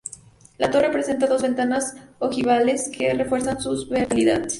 La torre presenta dos ventanas ojivales que refuerzan su verticalidad.